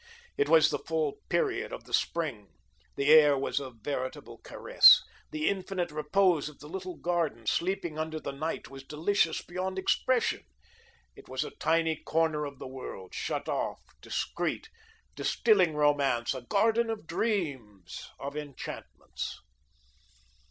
It was the full period of the spring. The air was a veritable caress. The infinite repose of the little garden, sleeping under the night, was delicious beyond expression. It was a tiny corner of the world, shut off, discreet, distilling romance, a garden of dreams, of enchantments.